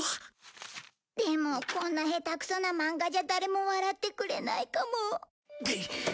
でもこんな下手くそな漫画じゃ誰も笑ってくれないかも。